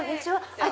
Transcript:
はい。